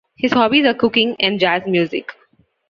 His hobbies are cooking and jazz music.